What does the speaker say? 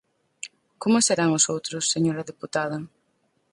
¿Como serán os outros, señora deputada?